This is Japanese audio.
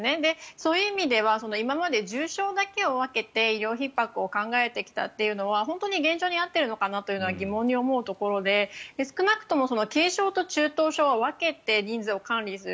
そういう意味では今まで重症だけを分けて医療ひっ迫を考えてきたというのは本当に現状に合っているのかなというのは疑問に思うところで少なくとも軽症と中等症は分けて人数を管理する。